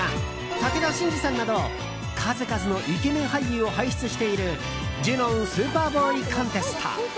武田真治さんなど数々のイケメン俳優を輩出しているジュノン・スーパーボーイ・コンテスト。